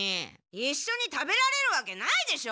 いっしょに食べられるわけないでしょ！